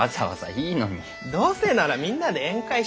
どうせならみんなで宴会したいでしょ？